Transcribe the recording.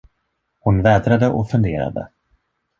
Hon vädrade och funderade.